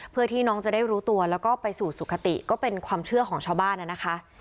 เพื่อที่น้องจะได้รู้ตัวแล้วก็ไปสู่สุขติก็เป็นความเชื่อของชาวบ้านนะคะ